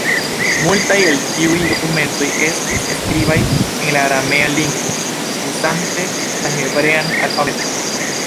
Multaj el tiuj dokumentoj estis skribaj en la aramea lingvo uzante la hebrean alfabeton.